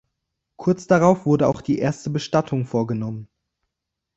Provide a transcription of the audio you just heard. Kurz darauf wurde auch die erste Bestattung vorgenommen.